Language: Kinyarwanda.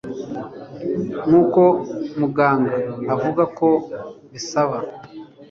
nkuko Muganga avuga ko bisaba